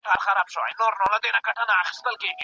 د حالاتو پرتله ايز جاج واخلئ.